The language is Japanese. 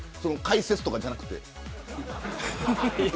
解説とかじゃなくて。